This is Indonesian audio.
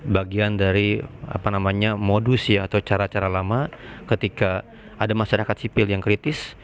bagian dari modus ya atau cara cara lama ketika ada masyarakat sipil yang kritis